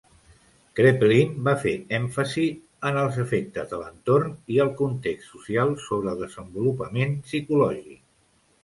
Kraepelin va fer èmfasi en els efectes de l'entorn i el context social sobre el desenvolupament psicològic.